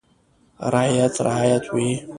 • رعیت رعیت وي.